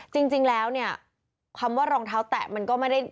จริงแล้วเนี่ยคำว่ารองเท้าแตะมันก็ไม่ได้